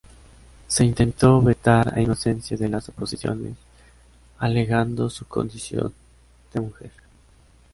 Se intentó vetar a Inocencia de las oposiciones alegando su condición de mujer.